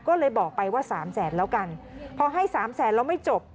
ก็เลยบอกไปว่าสามแสนแล้วกันพอให้สามแสนแล้วไม่จบ